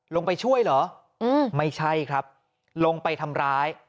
ลงไปช่วยเหรอไม่ใช่ครับลงไปทำร้าย